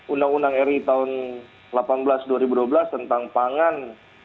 undang undang ri tahun delapan belas dua ribu dua belas tentang pangan